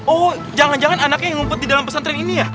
oh jangan jangan anaknya yang ngumpul di dalam pesantren ini ya